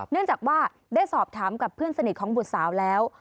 เนื่องจากว่าได้สอบถามกับเพื่อนสนิทของบุตรสาวแล้ว